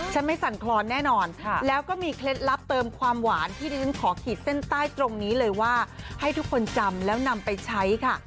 ไม่สั่นคลอนแน่นอนแล้วก็มีเคล็ดลับเติมความหวานที่ดิฉันขอขีดเส้นใต้ตรงนี้เลยว่าให้ทุกคนจำแล้วนำไปใช้ค่ะ